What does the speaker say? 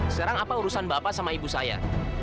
sekarang apa urusan bapak sama ibu saya